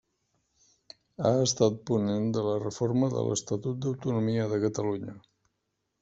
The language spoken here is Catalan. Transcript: Ha estat ponent de la Reforma de l'Estatut d'Autonomia de Catalunya.